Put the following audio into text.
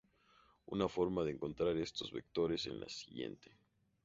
Una forma de encontrar estos vectores es la siguiente.